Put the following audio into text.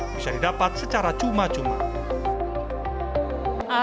bisa didapat secara cuma cuma